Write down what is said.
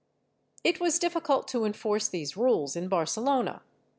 It was difficult to enforce these rules in Barcelona.